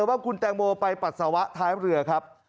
ว่าคุณแตงโมไปปัสสาวะท้ายเรือครับ